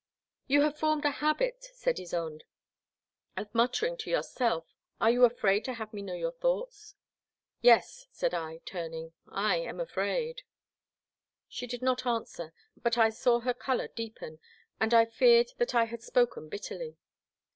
" You have formed a habit,'* said Ysonde, " of muttering to yourself. Are you afraid to have me know your thoughts ?"Yes," said I, turning, '* I am afraid." She did not answer, but I saw her colour deepen, and I feared that I had spoken bitterly.